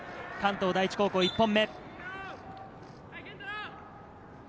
関東第一高校、１本目。